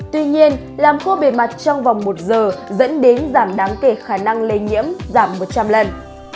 tuy nhiên làm khô bề mặt trong vòng một giờ dẫn đến giảm đáng kể khả năng lây nhiễm giảm một trăm linh lần